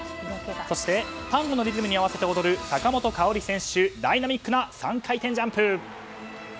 そしてタンゴのリズムに合わせて踊る坂本花織選手はダイナミックな３回転ジャンプ！